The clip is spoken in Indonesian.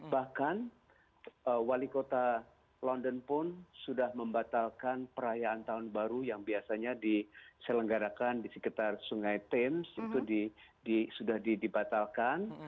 bahkan wali kota london pun sudah membatalkan perayaan tahun baru yang biasanya diselenggarakan di sekitar sungai times itu sudah dibatalkan